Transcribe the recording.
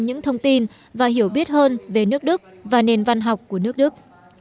những thông tin và hiểu biết hơn về nước đức và nền văn học của nước đức